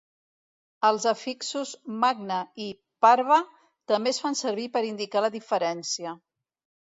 Els afixos 'magna' i 'parva' també es fan servir per indicar la diferència.